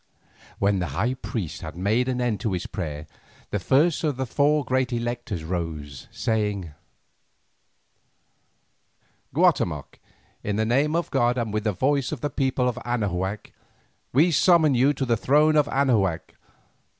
When the high priest had made an end of his prayer, the first of the four great electors rose, saying: "Guatemoc, in the name of god and with the voice of the people of Anahuac, we summon you to the throne of Anahuac.